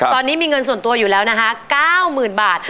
ตอนนี้มีเงินส่วนตัวอยู่แล้วนะคะ๙๐๐๐บาท